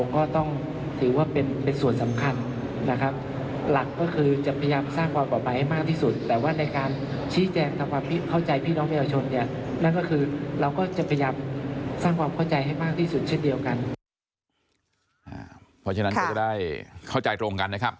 ก็ได้เข้าใจตรงกันนะครับ